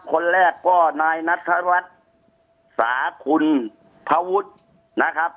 คนแรกก็นายนัฐรัฐสาขุนพวุฒินะครับ